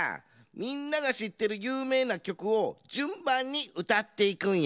みんながしってるゆうめいなきょくをじゅんばんにうたっていくんや。